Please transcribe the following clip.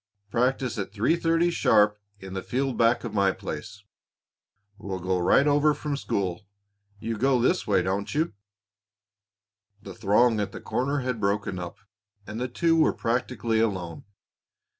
Practice at three thirty sharp in the field back of my place. We'll go right over from school. You go this way, don't you?" The throng at the corner had broken up, and the two were practically alone.